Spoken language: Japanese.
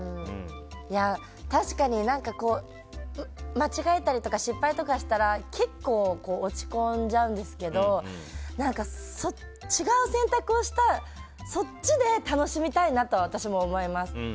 確かに、間違えたりとか失敗とかしたら結構落ち込んじゃうんですけど違う選択をしたそっちで楽しみたいなとは私も思います。